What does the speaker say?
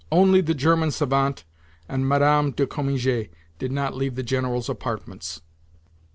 Only the German savant and Madame de Cominges did not leave the General's apartments.